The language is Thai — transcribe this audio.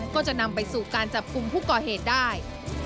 ก็จะนำไปสู่การจับกลุ่มผู้ก่อเหตุได้